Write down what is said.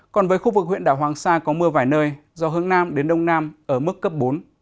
còn với khu vực huyện đảo hoàng sa có mưa vài nơi do hướng nam đến đông nam ở mức cấp bốn